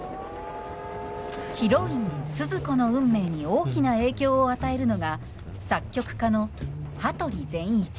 ヒロインスズ子の運命に大きな影響を与えるのが作曲家の羽鳥善一。